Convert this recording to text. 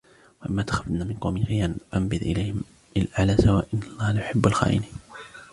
وإما تخافن من قوم خيانة فانبذ إليهم على سواء إن الله لا يحب الخائنين